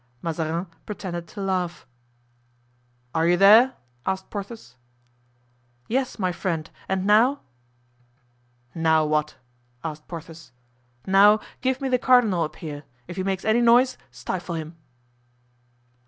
Mazarin pretended to laugh. "Are you there?" asked Porthos. "Yes, my friend; and now——" "Now, what?" asked Porthos. "Now give me the cardinal up here; if he makes any noise stifle him."